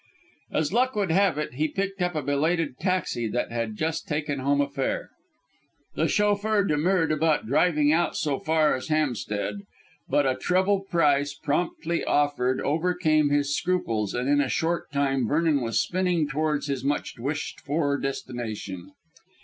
As luck would have it, he picked up a belated taxi that had just taken home a fare. The chauffeur demurred about driving out so far as Hampstead, but a treble price promptly offered overcame his scruples, and in a short time Vernon was spinning towards his much wished for destination.